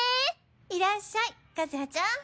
いらっしゃい和葉ちゃん！